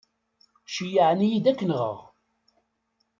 Ceyyεen-iyi-d ad k-nɣeɣ.